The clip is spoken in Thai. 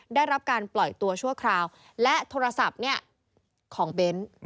ได้รับการปล่อยตัวชั่วคราวและโทรศัพท์ของเบ้น